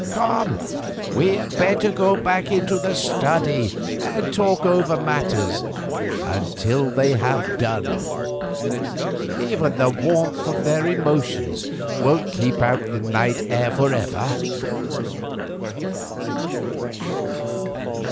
"Come, we had better go back into the study and talk over matters till they have done. Even the warmth of their emotions won't keep out the night air for ever."